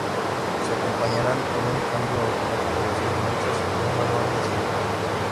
Se acompañarán por un cambio automático de seis marchas o un manual de cinco.